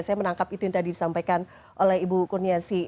saya menangkap itu yang tadi disampaikan oleh ibu kurniasi